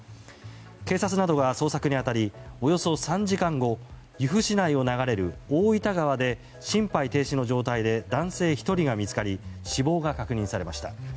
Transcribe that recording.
警察などが捜索に当たりおよそ３時間後由布市内を流れる大分川で心肺停止の状態で男性１人が見つかり死亡が確認されました。